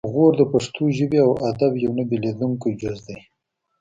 غور د پښتو ژبې او ادب یو نه بیلیدونکی جز دی